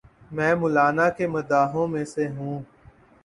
میں مولانا کے مداحوں میں سے ہوں۔